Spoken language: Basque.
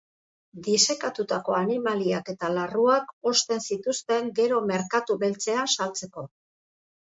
Disekatutako animaliak eta larruak osten zituzten gero merkatu beltzean saltzeko.